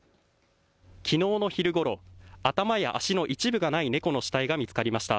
きのうの昼ごろ、頭や足の一部がない猫の死体が見つかりました。